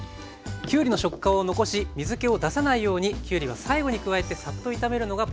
きゅうりの食感を残し水けを出さないようにきゅうりは最後に加えてサッと炒めるのがポイントでした。